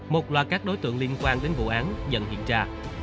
một loạt các đối tượng liên quan đến vụ án dần hiện ra